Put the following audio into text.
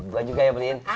gua juga ya beliin